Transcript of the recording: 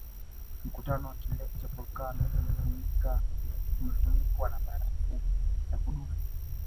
Mkutano wa kilele cha volkano umefunikwa na barafu ya kudumu